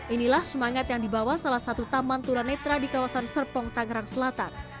inilah semangat yang dibawa salah satu taman tunanetra di kawasan serpong tangerang selatan